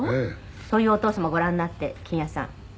「そういうお父様ご覧になって欣也さん」